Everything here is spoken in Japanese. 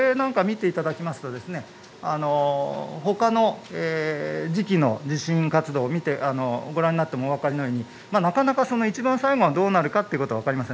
これを見ていただくとほかの時期の地震活動をご覧になってもお分かりのようになかなか、一番最後がどうなるか分かりません。